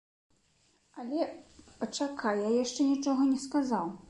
Але пачакай, я яшчэ нічога не сказаў.